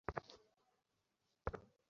এটা কী রে?